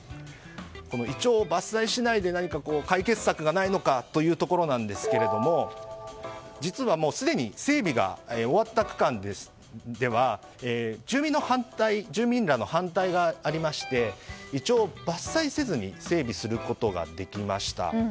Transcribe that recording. このイチョウを伐採しないで何か解決策がないのかというところなんですが実は、すでに整備が終わった区間では住民らの反対がありましてイチョウを伐採せずに整備することができました。